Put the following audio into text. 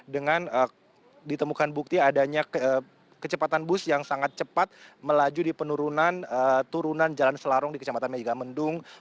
dengan ditemukan bukti adanya kecepatan bus yang sangat cepat melaju di penurunan turunan jalan selarong di kecamatan megamendung